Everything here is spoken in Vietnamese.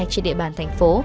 trên địa bàn thành phố